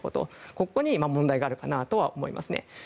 ここに問題があるのかなと思います。